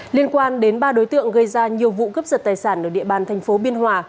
liên quan đến ba đối tượng gây ra nhiều vụ cướp giật tài sản ở địa bàn thành phố biên hòa